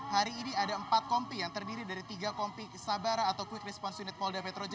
hari ini ada empat kompi yang terdiri dari tiga kompi sabara atau quick response unit polda metro jaya